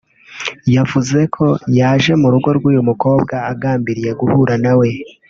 yavuze ko yaje mu rugo rw’uyu mukobwa agambiriye guhura nawe